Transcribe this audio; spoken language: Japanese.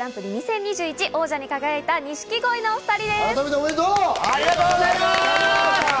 Ｍ−１グランプリ２０２１、王者に輝いた錦鯉のお２人です。